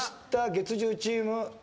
月１０チーム。